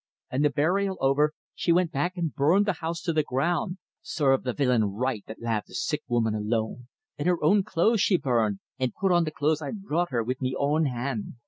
An' the burial over, she wint back an' burned the house to the ground sarve the villain right that lave the sick woman alone! An' her own clothes she burned, an' put on the clothes I brought her wid me own hand.